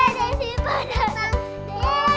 assalamualaikum selamat datang dede siva